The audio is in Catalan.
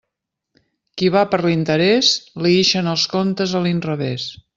Qui va per l'interés, li ixen els comptes a l'inrevés.